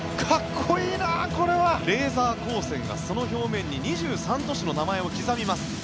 レーザー光線がその表面に２３都市の名前を刻みます。